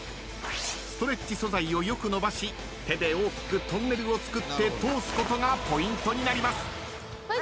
ストレッチ素材をよく伸ばし手で大きくトンネルを作って通すことがポイントになります。